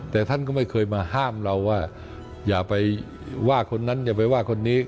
แต่ท่านก็ไม่เคยมาห้ามเราว่าอย่าไปว่าคนนั้นอย่าไปว่าคนนี้